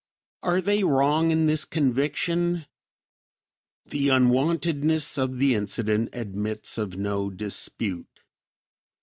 Are they wrong in this conviction? The unwontedness of the incident admits of no dispute.